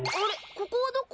ここはどこ？